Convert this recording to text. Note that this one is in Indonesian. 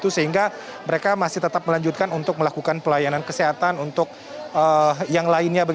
sehingga mereka masih tetap melanjutkan untuk melakukan pelayanan kesehatan untuk yang lainnya